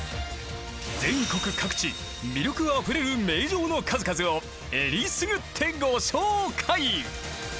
全国各地魅力あふれる名城の数々をえりすぐってご紹介！